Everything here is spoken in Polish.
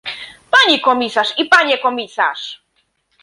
Pani komisarz i panie komisarz!